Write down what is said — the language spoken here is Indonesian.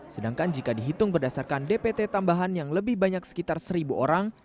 sedangkan jika dihitung berdasarkan dpt tambahan yang lebih banyak sekitar seribu orang